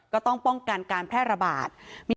ก็ต้องป้องกันการแพร่ระบาด